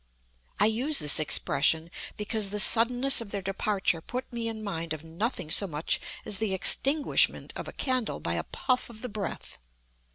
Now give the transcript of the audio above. I use this expression, because the suddenness of their departure put me in mind of nothing so much as the extinguishment of a candle by a puff of the breath.